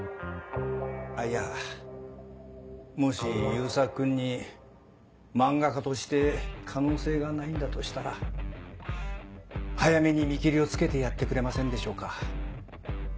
いやもし悠作君に漫画家として可能性がないんだとしたら早めに見切りをつけてやってくれませんでしょうか？